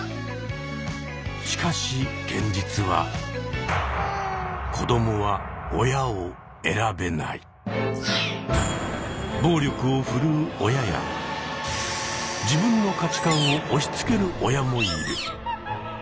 しかし現実は暴力を振るう親や自分の価値観を押しつける親もいる。